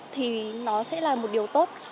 thì nó sẽ là một điều tốt